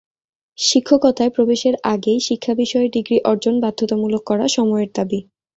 শিক্ষকতায় প্রবেশের আগেই শিক্ষা বিষয়ে ডিগ্রি অর্জন বাধ্যতামূলক করা সময়ের দাবি।